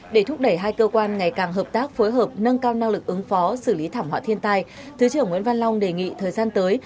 để thúc đẩy hai cơ quan ngày càng hợp tác phối hợp nâng cao năng lực ứng phó xử lý thảm họa thiên tai thứ trưởng nguyễn văn long đề nghị thời gian tới